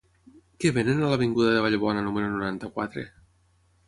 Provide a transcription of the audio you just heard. Què venen a l'avinguda de Vallbona número noranta-quatre?